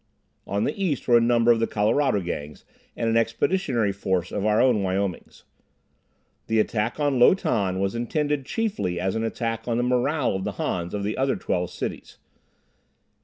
On the east were a number of the Colorado Gangs and an expeditionary force of our own Wyomings. The attack on Lo Tan was intended chiefly as an attack on the morale of the Hans of the other twelve cities.